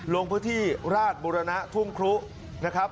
ลงพื้นที่ราชบุรณะทุ่งครุนะครับ